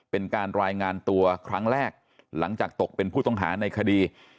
เป็นการรายงานตัวครั้งแรกหลังจากตกเป็นผู้ต้องหาในคดี